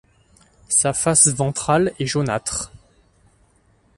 Sa face ventrale est jaunâtre.